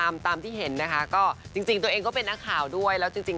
ไม่หนูเจอพี่ทุกอาทิตย์เนี่ย